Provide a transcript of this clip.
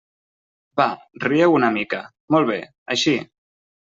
Va, rieu una mica, molt bé, així!